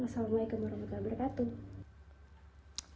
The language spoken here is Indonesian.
wassalamualaikum wr wb